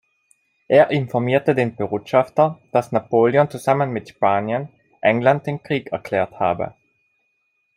Er informierte den Botschafter, dass Napoleon zusammen mit Spanien England den Krieg erklärt habe.